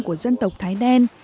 của dân tộc thái đen